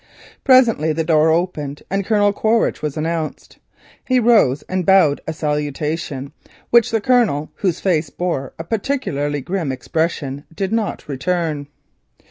Presently the door opened, and "Colonel Quaritch" was announced. He rose and bowed a salutation, which the Colonel whose face bore a particularly grim expression, did not return.